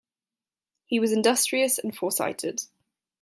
He was industrious and foresighted.